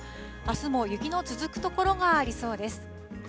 あすも雪の続く所がありそうです。